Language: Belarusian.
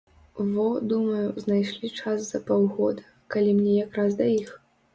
Во, думаю, знайшлі час за паўгода, калі мне як раз да іх.